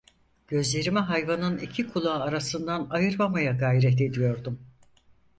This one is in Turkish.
Gözlerimi hayvanın iki kulağı arasından ayırmamaya gayret ediyordum.